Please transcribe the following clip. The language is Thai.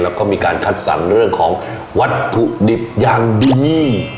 แล้วก็มีการคัดสรรเรื่องของวัตถุดิบอย่างดี